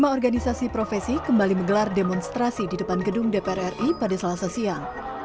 lima organisasi profesi kembali menggelar demonstrasi di depan gedung dpr ri pada selasa siang